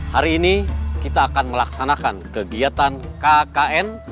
hari ini kita akan melaksanakan kegiatan kkn